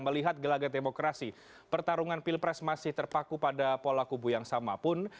melihat gelagat demokrasi pertarungan pilpres masih terpaku pada pola kubu yang sama pun